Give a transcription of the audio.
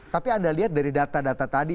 tapi anda lihat dari data data tadi